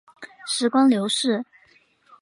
时光流逝